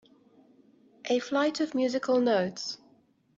A flight of musical notes